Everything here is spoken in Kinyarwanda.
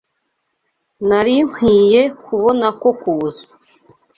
Nari nkwiye kubona ko kuza.